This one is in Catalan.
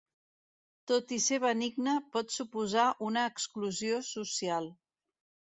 Tot i ser benigne, pot suposar una exclusió social.